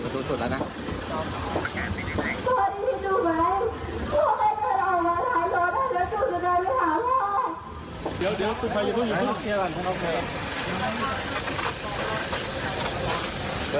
ข้าไปข้ามาช่วย